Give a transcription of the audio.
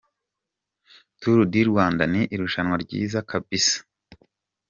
Tours du Rwanda ni irushanwa ryiza kabisa.